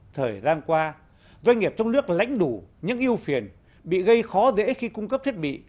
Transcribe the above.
thời gian qua doanh nghiệp trong nước lãnh đủ những yêu phiền bị gây khó dễ khi cung cấp thiết bị